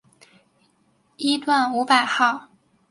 一段五百号